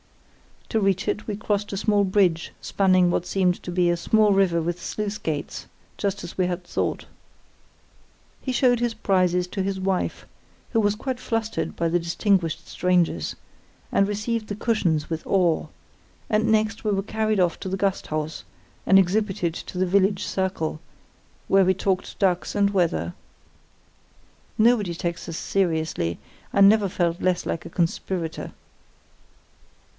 To reach it we crossed a small bridge spanning what seemed to be a small river with sluice gates, just as we had thought. "He showed his prizes to his wife, who was quite flustered by the distinguished strangers, and received the cushions with awe; and next we were carried off to the Gasthaus and exhibited to the village circle, where we talked ducks and weather. (Nobody takes us seriously; I never felt less like a conspirator.)